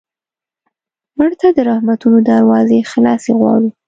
مړه ته د رحمتونو دروازې خلاصې غواړو